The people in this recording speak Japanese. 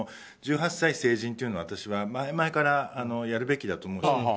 １８歳成人というのは私は前々からやるべきだと思ってて。